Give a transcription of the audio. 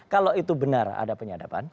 kalau itu benar ada penyadapan